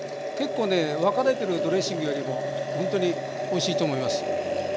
結構ね分かれてるドレッシングよりもほんとにおいしいと思います。